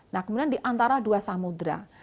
nah kemudian diantara dua samudera